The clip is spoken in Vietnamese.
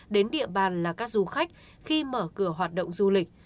đến địa bàn là các du khách khi mở cửa hoạt động du lịch